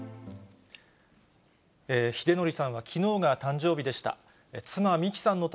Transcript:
秀典さんはきのうが誕生日でした。